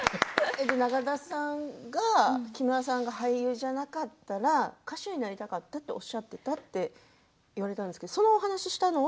中田さんが木村さんが俳優じゃなかったら歌手になりたかったとおっしゃっていたって言われたんですけれどその話をしたのは？